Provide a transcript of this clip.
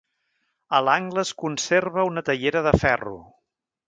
A l'angle es conserva una teiera de ferro.